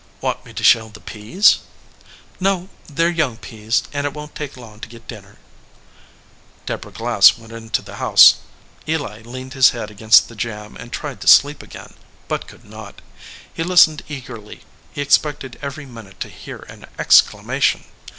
"Want me to shell the peas?" "No, they re young peas, and it won t take long to get dinner." Deborah Glass went into the house. EH leaned his head against the jamb and tried to sleep again, but could not. He listened eagerly. He expected every minute to hear an exclamation.